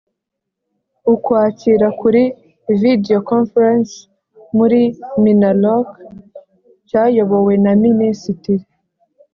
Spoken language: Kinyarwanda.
ukwakira kuri video conference muri minaloc cyayobowe na minisitiri